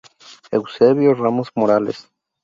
Eusebio Ramos Morales.